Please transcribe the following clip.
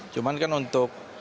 cuman kan untuk